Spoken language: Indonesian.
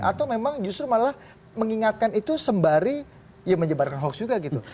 atau memang justru malah mengingatkan itu sembari ya menyebarkan hoax juga gitu